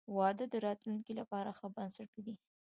• واده د راتلونکي لپاره ښه بنسټ ږدي.